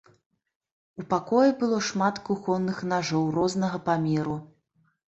У пакоі было шмат кухонных нажоў рознага памеру.